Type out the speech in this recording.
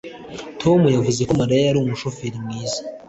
Tom yavuze ko Mariya yari umushoferi mwiza